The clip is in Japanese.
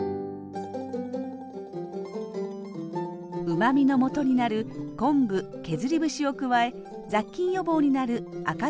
うまみのもとになる昆布削り節を加え雑菌予防になる赤とうがらし。